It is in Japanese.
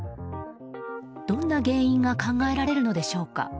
どんな原因が考えられるのでしょうか。